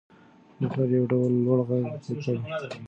موټر یو ډول لوړ غږ وکړ.